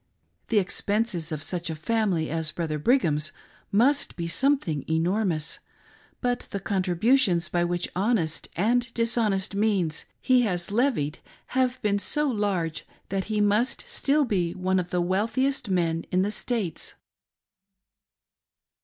The expenses of such a family as 'Brother Brigham's must be something enormous, but the contributions which by honest and dishonest means he has levied have been so large that he must still be one of the wealthiest men in the States.